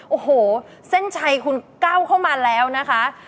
โอ้โหเส้นชัยคุณก้าวเข้ามาแล้วนะคะ